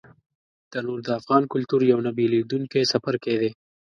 تنور د افغان کلتور یو نه بېلېدونکی څپرکی دی